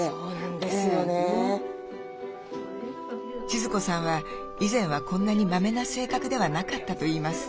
千壽子さんは以前はこんなにマメな性格ではなかったといいます。